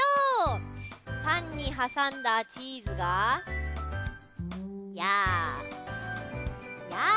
パンにはさんだチーズが「やあ」